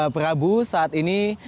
prabu saat ini